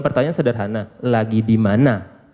pertanyaan sederhana lagi di mana